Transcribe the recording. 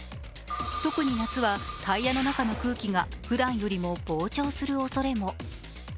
特に夏は、タイヤの中の空気がふだんよりも膨張するおそれも。